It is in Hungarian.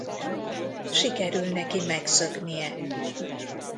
Sikerül neki megszöknie.